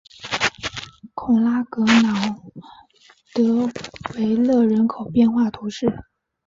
孔拉格朗德维勒人口变化图示